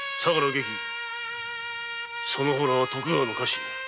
外記その方らは徳川の家臣。